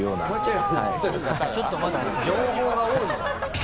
ちょっと待って情報が多いぞ。